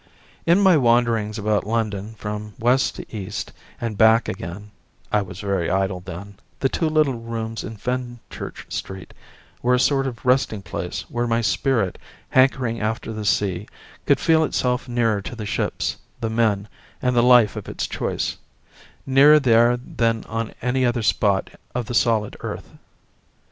In my wanderings about London from West to East and back again (I was very idle then) the two little rooms in Fenchurch Street were a sort of resting place where my spirit, hankering after the sea, could feel itself nearer to the ships, the men, and the life of its choice nearer there than on any other spot of the solid earth.